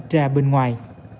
ra bên ngoài